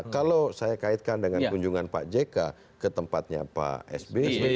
kalau saya kaitkan dengan kunjungan pak jk ke tempatnya pak sby